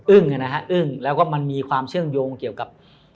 นะฮะอึ้งแล้วก็มันมีความเชื่อมโยงเกี่ยวกับ